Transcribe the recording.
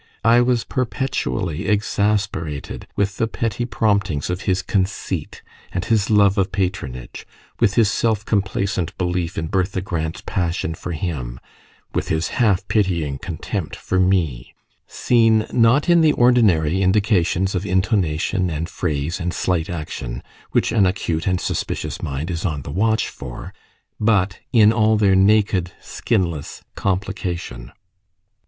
I was perpetually exasperated with the petty promptings of his conceit and his love of patronage, with his self complacent belief in Bertha Grant's passion for him, with his half pitying contempt for me seen not in the ordinary indications of intonation and phrase and slight action, which an acute and suspicious mind is on the watch for, but in all their naked skinless complication.